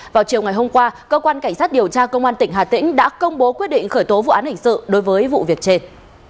vào chiều ngày hôm qua cơ quan cảnh sát điều tra công an tỉnh hà tĩnh đã công bố quyết định khởi tố vụ án hình sự đối với vụ việc trên